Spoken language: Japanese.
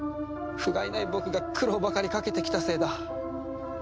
ふがいない僕が苦労ばかりかけてきたせいだ。